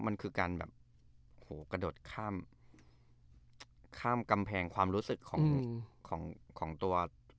มันคือการกระโดดข้ามกำแพงความรู้สึกของตัว